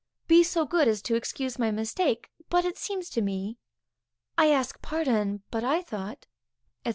_ Be so good as to excuse my mistake, but it seems to me,... I ask pardon, but I thought, &c.